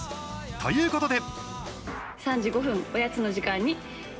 ということで。